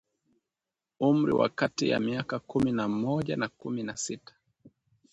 umri wa kati ya miaka kumi na mmoja na kumi na sita